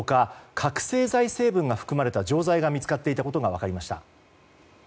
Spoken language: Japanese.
覚醒剤成分が含まれた錠剤が見つかっていたことが分かりました。